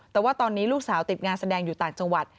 แต่ว่าตอนนี้ลูกสาวติดงานแสดงอยู่ต่างจังหวัด